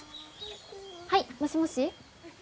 はいもしもし。